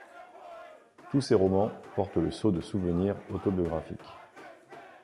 Tous ses romans portent le sceau de souvenirs autobiographiques.